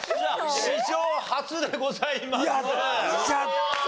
史上初でございます。